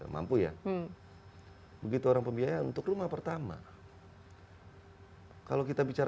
mampu ya begitu orang pembiayaan untuk rumah pertama